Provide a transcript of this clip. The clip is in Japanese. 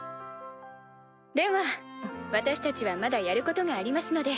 では私たちはまだやることがありますので。